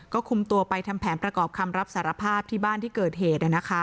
ก็คุมตัวไปทำแผนประกอบคำรับสารภาพที่บ้านที่เกิดเหตุ